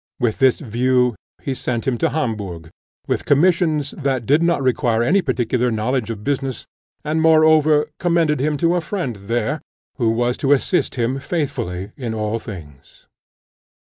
With this view he sent him to Hamburgh, with commissions that did not require any particular knowledge of business, and moreover commended him to a friend there, who was to assist him faithfully in all things.